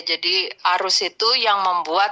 jadi arus itu yang membuat